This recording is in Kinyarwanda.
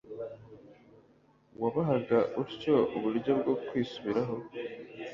wabahaga utyo uburyo bwo kwisubiraho